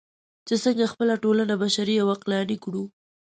چې څنګه خپله ټولنه بشري او عقلاني کړو.